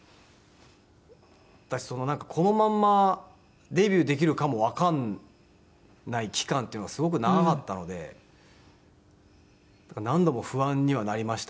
だしこのまんまデビューできるかもわかんない期間っていうのがすごく長かったので何度も不安にはなりました。